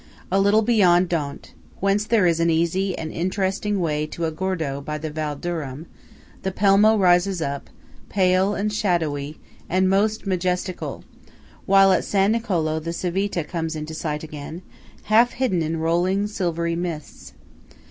A little beyond Dont (whence there is an easy and interesting way to Agordo by the Val Duram) the Pelmo rises up, pale, and shadowy, and most "majestical"; while at San Nicolo the Civita comes into sight again, half hidden in rolling, silvery mists.